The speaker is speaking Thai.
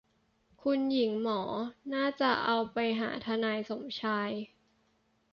คุณหญิงหมอน่าจะเอาไปหาทนายสมชาย